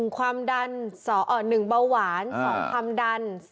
ความดัน๑เบาหวาน๒ความดัน